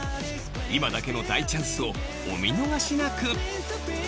今だけの大チャンスをお見逃しなく！